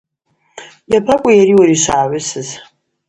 Йабакӏву йари уари швъагӏвысыз?